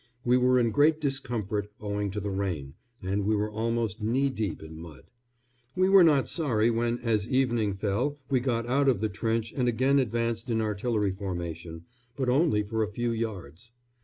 We were in great discomfort owing to the rain, and we were almost knee deep in mud. We were not sorry when, as evening fell, we got out of the trench and again advanced in artillery formation; but only for a few yards.